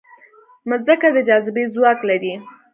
مځکه د جاذبې ځواک لري.